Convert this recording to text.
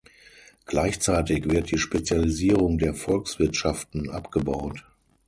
Gleichzeitig wird die Spezialisierung der Volkswirtschaften abgebaut.